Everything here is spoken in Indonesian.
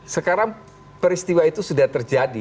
sekarang peristiwa itu sudah terjadi